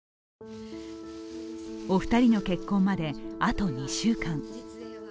お二人の結婚まで、あと２週間。